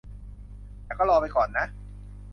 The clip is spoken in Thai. แต่ก็รอไปก่อนนะ